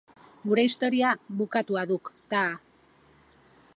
Gure historia bukatua duk, Taha.